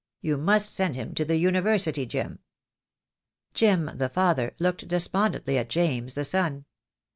You must, send him to the University, Jim." Jim, the father, looked despondently at James, the son.